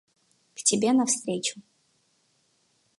– К тебе навстречу.